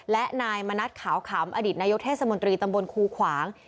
และนายมณัฐขาวขำอดีตนายกเทศมนตรีตำบลครูขวาง